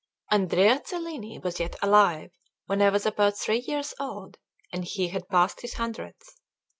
IV ANDREA CELLINI was yet alive when I was about three years old, and he had passed his hundredth.